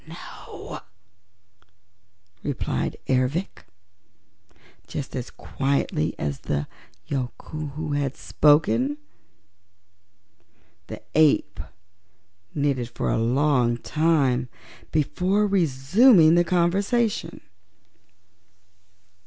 "No," replied Ervic, just as quietly as the Yookoohoo had spoken. The ape knitted for a long time before resuming the conversation.